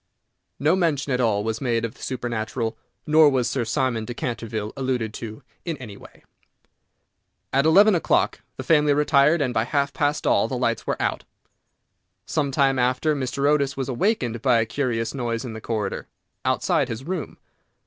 No mention at all was made of the supernatural, nor was Sir Simon de Canterville alluded to in any way. At eleven o'clock the family retired, and by half past all the lights were out. Some time after, Mr. Otis was awakened by a curious noise in the corridor, outside his room.